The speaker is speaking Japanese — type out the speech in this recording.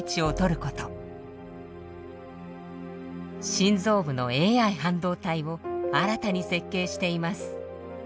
心臓部のＡＩ半導体を新たに設計しています。